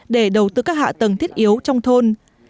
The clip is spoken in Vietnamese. để đầu tư các hạ tầng thiết yếu trong thôn